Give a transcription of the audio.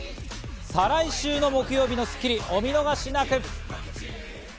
再来週の木曜日の『スッキリ』、お見逃しなく。